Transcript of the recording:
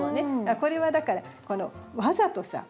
これはだからわざとさ